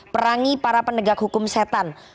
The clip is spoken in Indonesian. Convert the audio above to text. perangi para penegak hukum setan